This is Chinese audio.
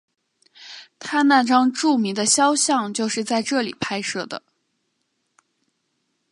他那张著名的肖像就是在这里拍摄的。